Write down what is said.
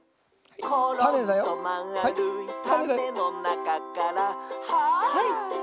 「ころんとまあるいたねのなかから」「ハイ！」